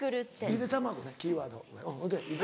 ゆで卵ねキーワードほいで？